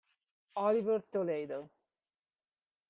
Oliver Toledo